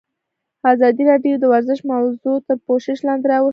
ازادي راډیو د ورزش موضوع تر پوښښ لاندې راوستې.